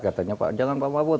katanya jangan pak mahfud